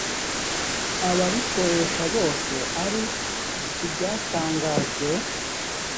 ababikoresha bose ari ibyatangajwe